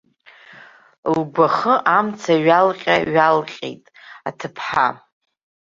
Лгәы ахы амца ҩалҟьа-ҩалҟьеит аҭыԥҳа.